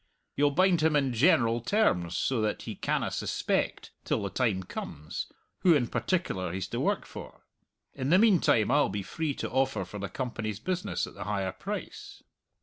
You'll bind him in general terms so that he canna suspect, till the time comes, who in particular he's to work for. In the meantime I'll be free to offer for the Company's business at the higher price."